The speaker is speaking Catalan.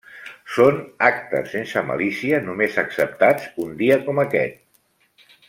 Són actes sense malícia només acceptats un dia com aquest.